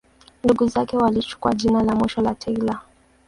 Ndugu zake walichukua jina la mwisho la Taylor.